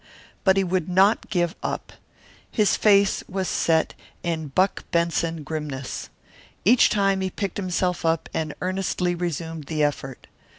But he would not give up. His face was set in Buck Benson grimness. Each time he picked himself up and earnestly resumed the effort.